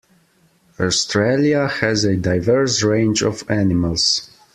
Australia has a diverse range of animals.